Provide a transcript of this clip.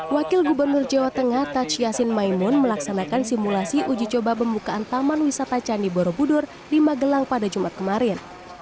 wakil gubernur jawa tengah taj yassin maimun melaksanakan simulasi uji coba pembukaan taman wisata candi borobudur di magelang pada jumat kemarin